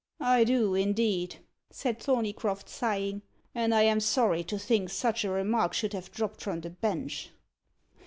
"I do, indeed," said Thorneycroft, sighing; "and I am sorry to think such a remark should have dropped from the bench."